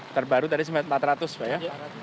terbaru tadi sempat empat ratus pak ya